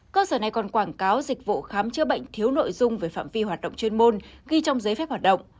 cơ sở này còn quảng cáo dịch vụ khám chữa bệnh thiếu nội dung về phạm vi hoạt động chuyên môn ghi trong giấy phép hoạt động